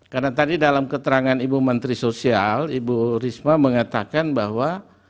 karena tadi dalam keterangan ibu menteri sosial ibu risma mengatakan bahwa